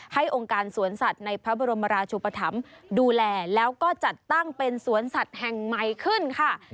องค์การสวนสัตว์ในพระบรมราชุปธรรมดูแลแล้วก็จัดตั้งเป็นสวนสัตว์แห่งใหม่ขึ้นค่ะ